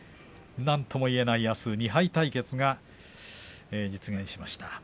なんとも言えないあしたの２敗対決が実現しました。